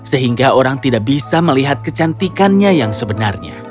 sehingga orang tidak bisa melihat kecantikannya yang sebenarnya